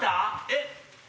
えっ？